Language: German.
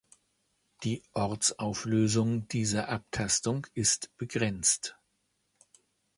Die Ortsauflösung dieser Abtastung ist begrenzt.